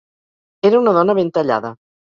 Era una dona ben tallada.